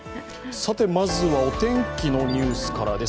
まずはお天気のニュースからです。